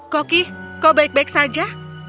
koki kau baik baik saja